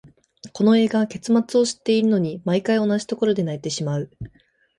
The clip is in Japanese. この映画、結末を知っているのに、毎回同じところで泣いてしまう。